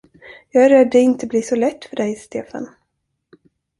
Jag är rädd det inte blir så lätt för dig, Stefan.